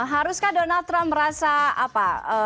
haruskah donald trump merasa apa